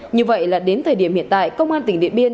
như vậy là đến thời điểm hiện tại công an tỉnh điện biên